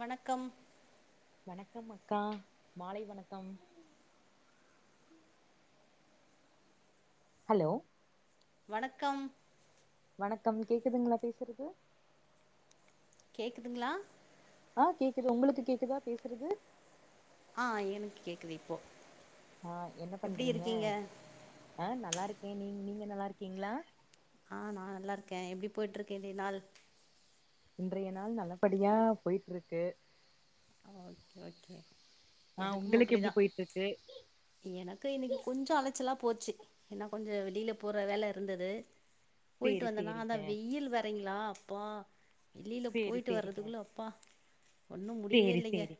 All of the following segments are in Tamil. வணக்கம் வணக்கம் அக்கா மாலை வணக்கம் ஹலோ வணக்கம் வணக்கம் கேக்குதுங்களா பேசுறது கேக்குதுங்ளா ஆ கேக்குது உங்களுக்கு கேக்குதா பேசுறது ஆ எனக்கு கேக்குது இப்போ ஆ என்ன எப்டி பண்றீங்க இருக்கீங்க ஆ நல் நல்லாருக்கே நீ நீங்க நல்லாருக்கீங்ளா ஆ நா நல்லாருக்கே எப்டி போயிட்டு இருக்கு இன்றைய நாள் இன்றைய நாள் நல்லபடியா போயிட்ருக்கு ஓக்கே ஆ எனக்கும் உங்களுக்கு அப்டிதா எப்டி போயிட்டு இருக்கு எனக்கு இன்னைக்கி கொஞ்சோ அலைச்சலா போச்சு ஏன்னா கொஞ்சோ வெளில போற வேல இருந்துது போய்ட்டு சேரி வந்தனா அதா சேரிங்க வெயில் வேறங்களா ப வெளில சேரி போயிட்டு சேரிங்க வர்றதுக்குள்ள அப்பா ஒன்னு மு சேரி சேரி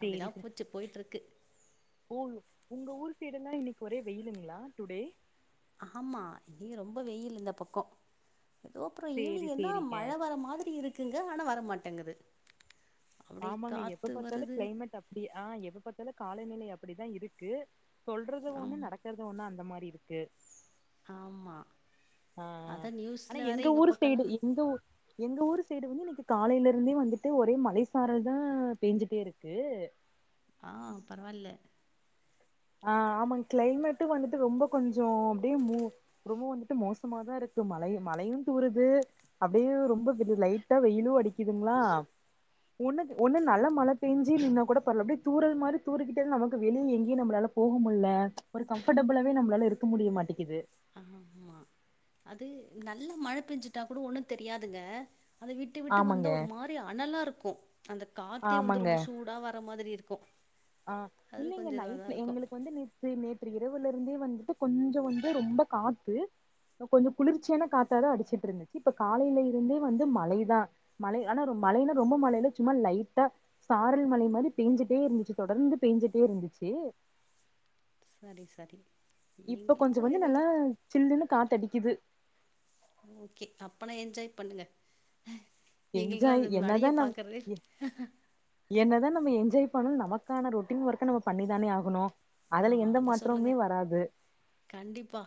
சேரி சார் போச்சு போயிட்டுருக்கு ஊர் உங்க ஊர் அந்த சைடெலா இன்னைக்கு ஒரே வெயிலுங்களா டுடே ஆமா இங்க ரொம்ப வெயில் இந்த பக்கோ எதோ அப்புறோ சேரி ஈவினிங் என்னா சேரிங்க மழ வர்ர மாரி இருக்கு க்குங்க ஆனா வரமாட்டேங்குது ஆமாங்க எப்ப பாத்தாலு க்ளைமேட் அப்டி ஆஹ் எத பாத்தாலு காலநிலை அப்டிதா இருக்கு சொல்றது ஒண்ணு ஆமா நடக்கறது ஒண்ணு அந்த மாரி எப்டி இருக்கு ஆமா ஆஹ் ஹா அத ஆனா நியூஸ்ல வேற எங்க ஊரு பக்கல்லா சைடு எங்க ஊ எங்க ஊரு சை டு வந்து இன்னைக்கு காலைல இருந்தே வந்துட்டு ஒரே மலை சாரல்தா பேஞ்சுட்டே இருக்கு ஹா பரவாயில்ல ஆ ஆமாங் கிளைமேட்டு வந்துட்டு ரொம்ப கொஞ்சோ அப்டியே மூ ரொம்ப வந்துட்டு மோசமாதா இருக்கு மழயு மழையூ தூருது அப்டியே ரொம்ப லைட்டா வெயிலு அடிக்குதுங்ளா ஒன்னு ஒன்னு நல்ல மழை பெய்ந் ஜிர்னு நா கூட பரவால அப்டியே தூரல் மாரி தூறிகிட்டே நமக்கு வெளிய எங்க்யு நம்ளால போக முடில ஒரு கம்ஃபர்டபுளாவே நம்மளால இருக்க முடிய மாட்டீக்கிது ஆ ஆமா அது நல்ல மழ பேஞ்சுட்டா கூட ஒண்ணு தெரியாதுங்க அது விட்டு விட்டு ஆமாங்க வந்தா ஒரு மாரி அனலா இருக்கு அந்த காத்தே வந்து ஆமாங்க ரொம்ப சூடா வர்ர மாதிரி இர் த்க்கோ ஆ இல்லிங்க நைட்ல எங்களுக்கு வந்து நேத்து நேற்று இரவுல இருந்தே வந்து த்து கொஞ்சோ வந்து ரொம்ப காத்து கொஞ்சோ குளிர்ச்சியான காத்தாதா அடிச்சிட்டு இருந்துச்சு இப்ப காலையில இருந்தே வந்து மழைதா மலை ஆனா மலைன்னா ரொம்ப மலைல்ல சும்மா லைட்டா சாரல் மலை மாரி பேஞ்சிட்டே இருந்துச்சு தொடர்ந்து பேஞ்சிட்டே இருந்துச்சு அடி சாரி இப்ப கொஞ்சோ வந்து நல்லா சில்லுன்னு காத்தடி இது ஓகே அப்பனா என்ஜாய் பண்ணுங்க எங்களுக்கெல்லாம் என்ஜாய் அது என்னதா மழைய நம் பாக்குறது எ என்னதா நம்ம என்ஜாய் பன நமக்கான ரொட்டீன் ஒர்க்கு நம்ம பண்ணிதானே ஆகணூ ஆ அதுல எந்த அத சொல்லுங்க மாற்றமுமே வராது கண்டிப்பா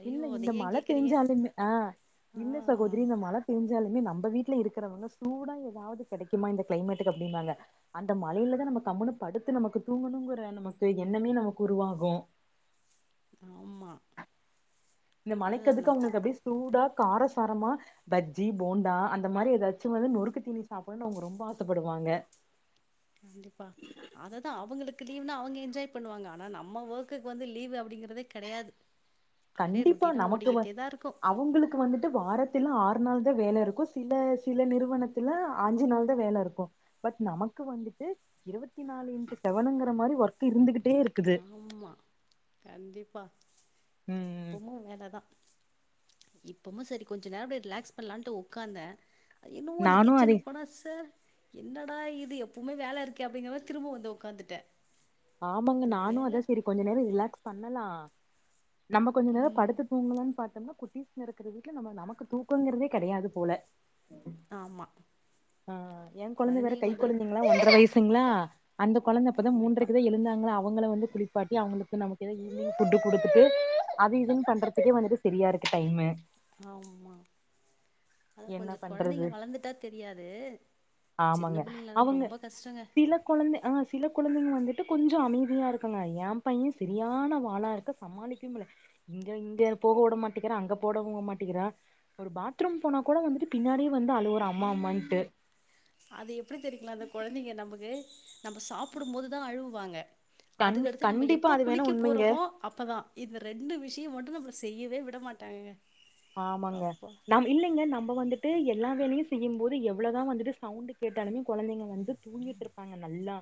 ஐயோ இல்ல அத இந்த ஏன் மழ கேக்குறீங்க பேஞ்சாலுமே ஆஹ் ஆ இல்ல சகோதரி இந்த மழ பேஞ் தயாலுமே நம்ப வீட்ல இருக்கிறவங்க சூடா எதாவது கிடைக்குமா இந்த கிளைமேட்டுக்கு அப்டிம்பாங்க அந்த மலையிலதா நம்ம கம்முனு படுத்து நமக்கு தூங்குணுங்கிற நமக்கு எண்ணமே நமக்கு உருவாகு ஆம்மா இந்த மலைக்காத்துக்கு அவுங்களுக்கு அப்டியே சூடா காரசாரமா பஜ்ஜி போண்டா அந்த மாரி லச்சு வது நொறுக்கு தீனி சாப் வனு அவங்க ரொம்ப ஆசப்படுவாங்க கண்டிப்பா அததா அவங்களு கு லீவ்னா அவங்க என்ஜாய் பண்ணுவாங்க ஆனா நம்ம வர்க்குக்கு வந்து லீவ் அப்டிங்கறதே கெடையாது அப்டியே கண்டிப்பா ரொட்டீனா நமக்கு வ ஓடிக்கிட்டே தா இருக்கு அவுங்களுக்கு வந்துட்டு வாரத்துல்ல ஆற் திர் நாள் து வேல இருக்கும் சில சில நிறுவனத்துல அஞ்சு நாள் தான் வேல இருக்கும் பட் நமக்கு வந்துட்டு இருவத்தி நாலு இன்ட்டு செவனுங்கற மாரி ஒர்க்கு இருந்துகிட்டேருக்குது ஆமா கண்டிப்பா எப்போமு வேலதா இப்பமு சரி கொஞ்ச நேர்க்குல ரிலாக்ஸ் பண்ணலாம்ட்டு உக்காந்தேன் என்னவோ அந்த நானு அதே கிச்சனுக் போனா ச என்னடா இது எப்போமே வேல இருக்கு அப்படிங்கம திரும்போ வந்த ஒக்காந்துட்டேன் ஆமாங்க நானும் அத சரி கொஞ்ச நேரோ ரிலாக்ஸ் பண்ணலா நம்ம கொஞ்ச நேரோ படுத்து தூங்கலாம் பாத்தோம்னா குட்டிஸ்க இருக்கற வீட்ல நம்ம நமக்கு தூக்குங்கிறதே கெடையாது போல ஆமா ஆ யங் கொழந்த வேற கொழந்தைங்க கை கொஞ்சோ கொழந்தைங்களா ஒன்ற வயிஸ் டுங்ளா அந்த கொழந்த இப்பதா கண்டிப்பா மூன்றக் இருந்தாங்களா அவங்கள வந்து குளிப்பாட்டி அவங்களுக்கு நமக்கேதோ ஈவ்னிங் ஃபுட்டு குடுத்துட்டு அது இதுன் பண்றதுக்கே வந்துட்டு செரியாருக்கு டைம்மு ஆம்மா அத என்ன கொஞ்ச பண்றது கொழந்தைங்க வளந்துட்டா தெரியாது ஆமாங்க ஜின்ன பிள்ளைங்களதா அவங்க ரொம்ப கஷ்டங்க ட்டு கொஞ்சோ அமைதியா இருக்குங்ளா ஏ பைய சரியான வாழாருக்கு சமாளிக்கவே முல்ல இங்க இங்க போட மாட்டிகிறா அங்க போடவு மாட்டிகிறா ஒரு பாத்ரூம் போனா கூட வந்துட்டு பின்னாடியே வந்து அழுவுரா அம்மா அம்மான்ட்டு அது எப்டி தெரிக்கலா அந்த கொழந்தைங்க நம்மக்கு நம்ம சாப்புடும் போதுதா அழுவு வாங்க கண் அதுக்கடுத்து நம்ம கண்டிப்பா எப்ப அது வேணா குளிக்க உண்மைங்க போறோமோ அப்பதா இந்த ரெண்டு விஷியம் வந் நம்மள செய்யவே விட மாட்டாங்க ஆமாங்க நாம இல்லைங்க நம்ம வந்துட்டு எல்லா வேலையு செய்யும் போது எவ்ளோதான் வந்துட்டு சவுண்ட்டு கேட்டாலுமே கொழந்தைங்க வந்து தூங்கிட்டு இருப்பாங்க நல்லா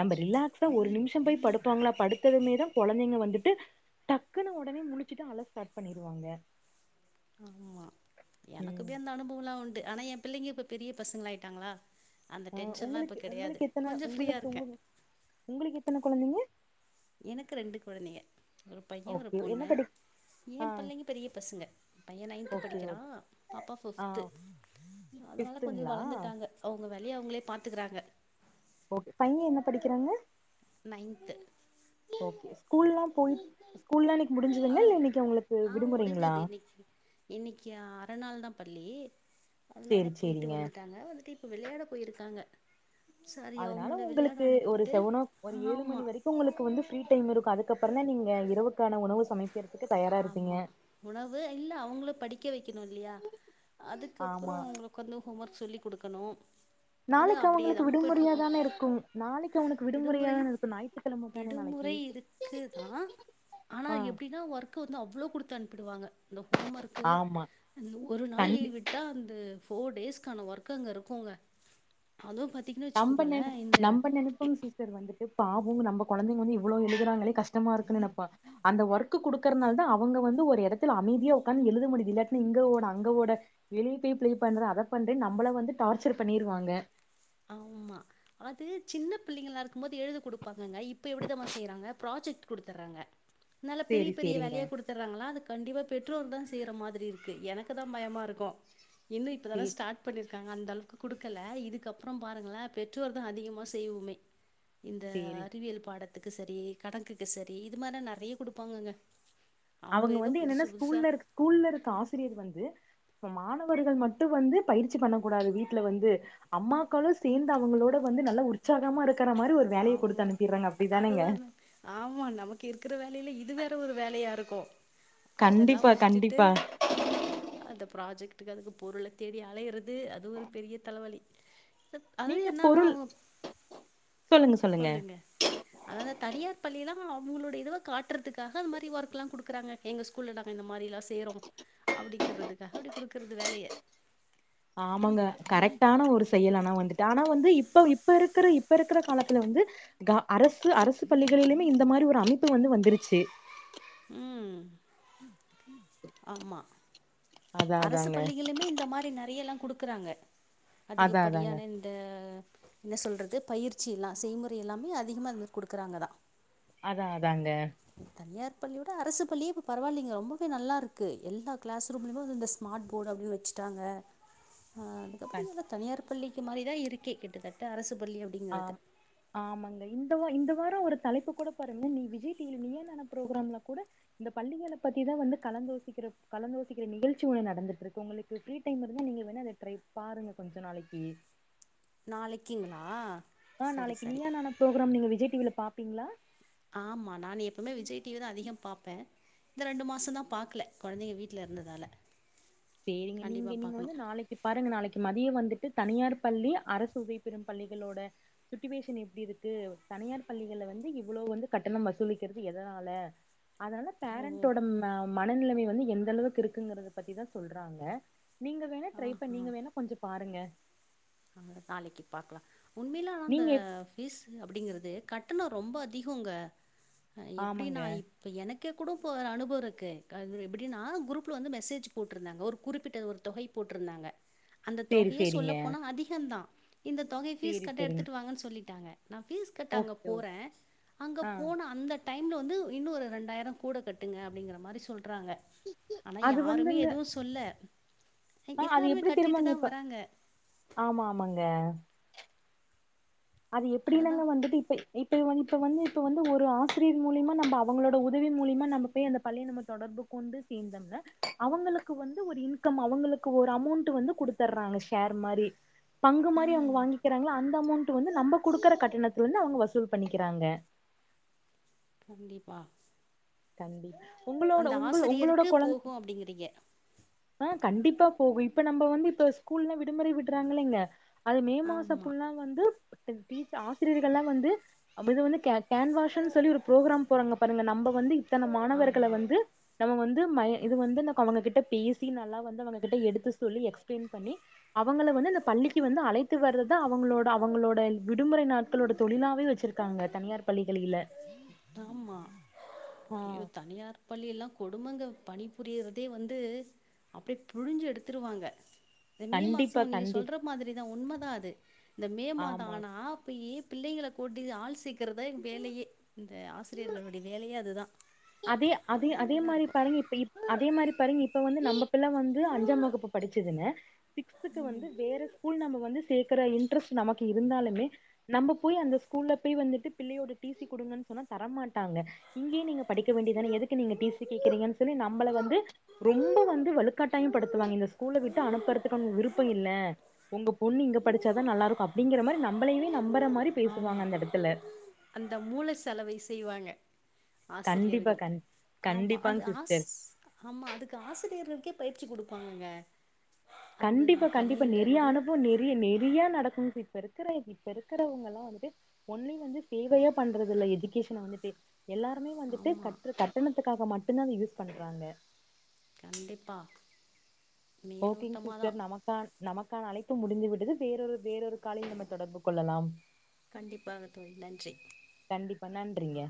நம்ம ரிலாக்ஸா ஒரு நிமிஷம் போய் படுப்பாங்களா படுத்ததுமேதா கொழந்தைங்க வந்துட்டு டக்குனு ஒடனே முழிச்சுட்டு அழ ஸ்டார்ட் பண்ணிருவாங்க ஆம்மா ம் எனக்குமே அந்த அனுபூலா து ஆனா ய பிள்ளைங்க இப்ப பெரிய பசங்களாய்ட்டாங்களா ஆ உங்களுக்கு உங்களுக்கு எத்தன ஃப்ரீயா உங்களுக்கு இருக்கே உங்க உங்களுக்கு எத்தன கொழந்தைங்க எனக்கு ரெண்டு குழந்தைங்க ஒரு பைய ஒரு ஓகே என்ன பொண்ணு படி ஏ ஆ புள்ளைங்க பெரிய பசுங்க பைய நைன்த் ஓகே படிக்கிறா ஓகே பாப்பா ஆ ஃபிப்த்து அதனால கொஞ்ச ஃபிஃப்த்துங்களா வளந்துட்டாங்க அவுங்கவெ ய அவுங்ளே பாத்துக்குறாங்க ஒ பைய என்ன படிக்கிறாங்க நைன்த்து கூல்லா போய் ஸ்கூல்ல இன்னக் அ ஆ முடிஞ்சிது இன்னிக்கி இன்னிக்யா ரநாள் தா பள்ளி சேரி அதுனால பொய்ட்டு சேரிங்க வந்துட்டாங்க வந்துட்டு இப் விள்யாட போய்ருக்காங்க அதனால உங்களுக்கு ஒரு செவனோ ஒரு ஏழு ஆமா மணி வரிக்கு உங்களுக்கு வந்து ஃப்ரீ டைம் இருக்கு அதுக்கப் பரந்தா நீங்க இரவுக்கான உணவு சமைப் ஆமா உணவு இல்ல அவுங்ளு படிக் கில்லையா அதுக்கப்றோ ஆமா உங்களுக்கு வந்து ஹோம் ஒர்க் சொல்லி குடுக்கணு அது நாளைக்கு அவங்களுக்கு அப்டியேதா விடுமுறையா போய்ட்ருக்கு தானே இருக்கும் நாளைக்கு அவனுக்கு விடுமுறையா விடுமுறை தானே இருக்கும் ஞாயிற்றுக்கிழம தானே நாளைக்கு விடுமுறை இருக்குதா ஆனா ஆ எப்டினா ஒர்க் கு வந்து அவ்ளோ குடுத்து அனுப்பிடுவாங்க அந்த ஹோம் ஒர்க்கு ஆமா ஒரு நாள் கண்டி லீவு் விட்டா அந்து ஃபோர் டேஸ்க்கான ஒர்க் அங்க இருக்குங்க அதுவும் பாத்தீங்கன்னு நம்ப வச்சுக்கோங்களேன் இந்த நம்ப நெனைப்போம் சிஸ்டர் வந்துட்டு பாவோ நம்ம கொழந்தைங்க வந்து இவ்ளோ எழுதுறாங்ளே கஷ்டமா இருக்குன்னு நெனைப்போ அந்த ஒர்க்கு குடுக்கறனாலதா அவுங்க வந்து ஒரு எடத்துல அமைதியா உக்காந்து எழுத முடிது இல்லாட்டினா இங்கோட அங்கோட வெளிய போய் பிளே பண்ற அதபண்றேன்னு நம்மள வந்து டார்ச்சர் பண்ணிருவாங்க ஆமா அது சின்ன பிள்ளைங்ளா இருக்கும்போது எழுத குடுப்பாங்க இவுங்க இப்ப எப்டி தெரிமா செய்றாங்க ப்ராஜெக்ட் குடுத்தறாங்க நல்ல பெரிய சேரி பெரிய சேரிங்க வேலையா குடுத்தறாங்ளா அது கண்டிப்பா பெற்றோர்தா செய்யற மாதிரி இருக்கு எனக்குதா பயமா இருக்கு என்ன இப்பதான சேரி ஸ்டார்ட் பண்ணிரு க்காங்க அந்த அளவுக்கு குடுக்கல இதுக்கப் அப்றோம் பாருங்களே பெற்றோர்தா அதிகமா செய்வோமே இந்த சேரி அறிவியல் பாட த்துக்கு சரி கணக்குக்கு சரி இது மாரினா நெறயா குடுப்பாங்கங்க அவங்க அவுங்க ஏதோ வந்து என்னன்னா புதுசு புதுசா ஸ்கூல்ல இரு ஸ்கூல்ல இருக்க ஆசிரியர் வந்து இப்ப மாணவர்கள் மட்டு வந்து பயிற்சி பண்ணக் கூடாது வீட்ல வந்து அம்மாக்களு சேந்து அவங்களோட வந்து நல்லா உற்சாகமா இரு ஆமா அதுதா ந ஆமா நமக்கு இருக்கற வேலைல இது வேற ஒரு வேலையா இருக்கு அதெலா கண்டிப்பா முடிச்சுட்டு கண்டிப்பா அத ப்ராஜெக்ட்டுக்கு அதுக்கு பொருள தேடி அலையறது அது ஒரு பெரிய தலவலி து அது நீங்க என்னன்னா பொருள் அவங்க சொல்லுங்க அததா தனியார் பள்ளி எல்லா அவங்களுடைய இதுவ காட்டுறதுக்காக அந்த மாரி ஒர்க் எல்லா குடுக்குறாங்க எங்க ஸ்கூல்ல நாங்க இந்த மாரி எல்லா செய்றோ அப்டிங்கிறதுக்காக அப்படி குடுக்கறது வேலைய ஆமாங்க கரெக்ட்டான ஒரு செயல் ஆன வந்துட்டு ஆனா வந்து இப்ப இப்ப இருக்கிற இப்ப இருக்கிற காலத்துல வந்து க அரசு அரசு பள்ளிகளிலுமே இந்த மாரி ஒரு அமைப்பு வந்து வந்துருச்சு ம் ஆமா அதா அரசு அதாங்க பள்ளிகள்லையுமே இந்த மாரி நறைய எல்லா குடுக்குறாங்க அதா அதாங்க அதிகப்படியான இந்த என்ன சொல்றது பயிற்சி எல்லா செய்முறை எல்லாமே அதிகமா அது மாரி குடுக்குறாங்கதா அதா அதாங்க தனியார் பள்ளியோட அரசு பள்ளியே இப்ப பரவாயில்லைங்க ரொம்பவே நல்லா இருக்கு எல்லா கிளாஸ் ரூம்லயுமே வந்து இந்த ஸ்மார்ட் போர்டு அப்படினு வச்சுட்டாங்க அ அ அதுக்கப்பறோ எல்லா தனியார் பள்ளிக்கு மாரிதா இருக்கே கிட்டத்தட்ட அரசு பள்ளி அப்டிங்கிறது ஆம் ஆமாங்க இந்த இந்த வாரோ ஒரு தலைப்பு கூட பாருங்க நீ விஜய் டிவ நீ என்ான பரோராம்ல கூட இந்த பள்ளிகளை பத்திதான் வந்து கலந்துோசிக்கிற கலந்துோசிக்கிற நிகழ்ச்சி ஒண்ணு நடந்துட்டு இருக்கு உங்களுக்கு ஃப்ரீ டைம் இருந்த நீங்க வேணும் அதை ட்ரை பாருங்க கொஞ்ச நாளைக்கு நாளைக்குங்ளா ஆ நாளைக்கு நீயான பரக்ராம் நீங்க விஜய்டிவில பா அப்டிங்களா ஆமா நான் எப்பவுமே விஜய் டிவிதான் அதிகம் பாார்ப்பே இந்த ரெண்டு மாசோ தான் பாக்கல கொழந்தைங்க வீட்ல இருந்ததால செரிங்க நீங்க கண்டிப்பா நீங்க வந்து பாக்கணும் நாளைக்கு பாருங்க நாளைக்கு மதியோ வந்து தனியார் பள்ளி அரசு உதவி பெறும் பள்ளிகளோட சிட்டுவேஷன் எப்டி இருக்கு தனியார் பள்ளிகள வந்து இவ்வளவு வந்து கட்டணம் வசூலிக்கிறது எதனால அதனால ஓ பேரண்டோட மனநிலைமை எந்த அளவுக்கு இருக்குங்கத பத்தி தான் சொல்றாங்க நீங்க வேணா ட்ரை பண்ணி நீங்க வேணா கொஞ்சோ பாருங்க நாளைக்கி பாக்கலா உண்மையில ஆனால் அந்த நீங்க எப் ஃபீஸ் அப்படிங்கிறது கட்டணோ ரொம்ப அதிகங்க ஆமாங்க எப்டினா இப்ப எனக்கு இருக்க கூட போ ஒரு அனுபவோ இருக்கு அது எப்டின்னா குரூப்பில் வந்து மெசேஜ் போட்டிருந்தாங்க ஒரு குறிப்பிட்ட ஒரு தொகை போட்டிருந்தாங்க செரி செரிங்க அதிகந்தா இந்த தொகை ஃபீஸ் கட்ட சேரிங்க எடுத்துட்டு வாங்கன்னு சொல்லிட்டாங்க நான் பீஸ் கட் அங்க ஓகே ஓகே போறேன் அங்க ஆ போன அந்த டைம்ல வந்து இன்னு ஒரு ரெண்டாயரோ கூட கட்டுங்க அப்படிங்கற மாரி சொல் விட்றாங்க ஆனா அது யாருமே வந்துங்க எதுவும் சொல்ல ஆ அது எல்லாருமே எப்டி தெரியுமாங்க கட்டிட்டுதா இப்ப வராங்க ஆமா ஆமாங்க அது எப்படின்னாங்க அததான் வந்துட்டு இப்ப இப்ப இப்ப வந்து இப்ப வந்து ஒரு ஆசிரியர் மூலியமா நம்ப அவங்களோட உதவி மூலியமா நம்ப போய் அந்த பள்ளையை நம்ப தொடர்பு கொண்டு சேர்ந்தோம்ன அவங்களுக்கு வந்து ஒரு இன்கம் அவுங்களுக்கு ஒரு அமௌண்ட் வந்து கொடுடுத்தர்றாங்க ஷேர் மாரி பங்கு மாரி அவுங்க ம் வாங்கிக்கிறாங்ளா அந்த [unintelligible] வந்து நம்ம கொடுக்கற கட்டணத்தல இருந்து அவுங்க வசூல் பண்ணிக்கிறாங்க கண்டிப்பா கண்டி அந்த ஆசிரியருக்கு போகூ அப்டிங்கறீங்க ஆ கண்டிப்பா போகூ இப்ப நம்ப வந்து இப்ப ஸ்கூல்லல்ல விடுமுறை விடுறாங்களங்க அது மே மாச ஆமா ஃபுல்லா வந்து டீச் ஆசிரியர்கள்லா வந்து இது வந்து க கேன்வாஷுன் சொல்லி ஒரு புரோக்ராம் போறாங்க பாருங்க நம்ப வந்து இத்தன மாணவர்கள ஆமா வந்து நம்ம வந்து மை இது வந்து அவங்ககிட்ட பே சி நல்லா வந்து அவங்க கிட்ட எடுத்து சொல்லி எக்ஸ்பிளைன் பண்ணி அவங்கள வந்து அந்த பள்ளிக்கு வந்து அழைத்து வர்றதா அவங்களோட அவங்களோட விடுமுறை நாட்களோட தொழிலாவே வெச்சிருக்காங்க தனியார் பள்ளிகளில ஆமா ஆ ஐயோ தனியார் பள்ளி எல்லா கொடுமங்க பணிபுரியறதே வந்து அப்படியே புழிஞ்சு எடுத்துருவாங்க இந்த மே மாச கண்டிப்பா நீங்க கண்டிப் சொல்ற மாதிரிதா உண்ம தா அது இந்த மே மாத ஆமா ஆனா அப்பயே பிள்ளைங்கள கூட்டி ஆள் சேக் கறதா வேலையே அந்த ஆசிரியர்களுடைய வேலையே அதுதா அதே அதே அதே அப்டிதா மாரி இருக்கு பாருங்க இப்ப இப் அதே மாரி பாருங்க இப்ப வந்து நம்ம புள்ள வந்து அஞ்சாம் வகுப்பு படிச்சதுன்னு சிக்ஸ்த்துக்கு வந்து வேறு ஸ்கூல் நம்ம வந்து சேக்கற இன்ட்ரஸ்ட் நமக்கு இருந்தாலுமே நம்ம போய் அந்த ஸ்கூல்ல போய் வந்துட்டு பிள்ளையோட டீசி குடுங்கன் சொன்னா தர மாட்டாங்க இங்கே நீங்க படிக்க வேண்டியதான எதுக்கு நீங்க டீசி கேக்குறீங்கன் சொல்லி நம்பள வந்து ரொம்ப வந்து வலுக்கட்டாயம் படுத்துவாங்க இந்த ஸ்கூல்ல விட்டு அனுப்புறதுக்கு விருப்போம் இல்ல ஒங்க பொண்ணு இங்க படிச்சாதா நல்லா இருக்கும் அப்டிங்கிற மாரி நம்மளயவே நம் ஆம்மா அந்த மூள்ள செலவை செய்வாங்க கண்டிப்பா ஆசிரியர்கள் கண் ஆம்மா கண்டிப்பாங்க அது ஆஸ் சிஸ்டர் அம்மா அதுக்கு ஆசிரியர்களுக்கே பயிற்சி கொடுப்பாங்கங்க கண்டிப்பா கண்டிப்பா நிறைய அனுபவம் நிறைய நிறைய நடக்கும் இப்ப இருக்கற இப்ப இருக்கிறவங்க எல்லாம் வந்து ஒன்லி வந்து சேவையா பண்றதுல்ல எஜுகேஷன் வந்துட்டு எல்லாருமே வந்துட்டு ஆமா கற்று கட்டண க்காக மட்டும்தான் யூஸ் பண்றாங்க கண்டிப்பா ஓகேங்க மேலோட்டமா தா சிஸ்டர் நமக்க நம க்காண அழைப்பு முடிந்துவிட்டது வேறொரு வேறொரு காலையில் நம்ம தொடர்பு கொள்ளலாம் கண்டிப்பாக தோழி நன்றி அப்ப நன்றிங்க